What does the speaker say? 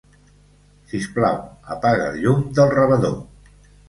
Sisplau, apaga el llum del rebedor.